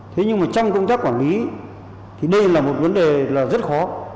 thế nhưng mà trong công tác quản lý thì đây là một vấn đề là rất khó